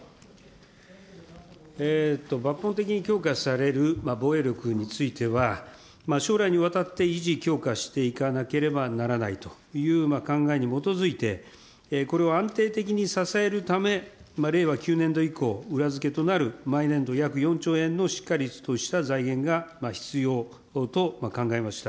抜本的に強化される防衛力については、将来にわたって維持・強化していかなければならないという考えに基づいて、これを安定的に支えるため、令和９年度以降、裏付けとなる毎年度約４兆円のしっかりとした財源が必要と考えました。